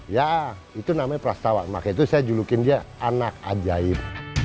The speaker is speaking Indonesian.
ya itu namanya prastawa makanya itu saya julukin dia anak ajaib